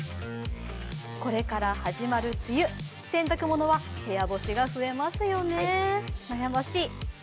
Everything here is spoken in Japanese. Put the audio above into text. これから始まる梅雨、洗濯物は部屋干しが増えますよね、悩ましい。